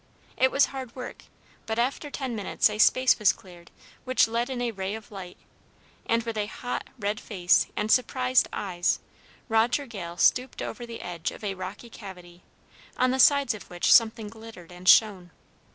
It was hard work, but after ten minutes a space was cleared which let in a ray of light, and, with a hot, red face and surprised eyes, Roger Gale stooped over the edge of a rocky cavity, on the sides of which something glittered and shone.